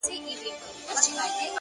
د زړې ونې سیوری تل یو ډول ارامي ورکوي,